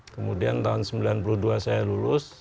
kemudian tahun sembilan puluh dua saya lulus